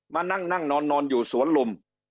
มานั่งนอนอยู่สวนลุม